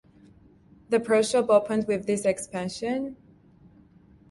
The pro shop opened with this expansion.